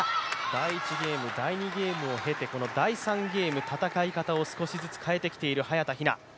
第１ゲーム、第２ゲームを経て第３ゲーム戦い方を少しずつ変えてきている早田ひな。